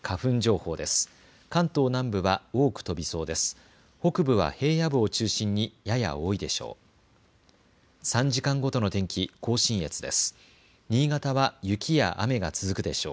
北部は平野部を中心にやや多いでしょう。